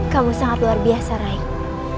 kamu sangat luar biasa raib